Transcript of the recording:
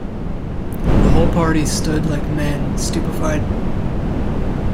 The whole party stood like men stupefied.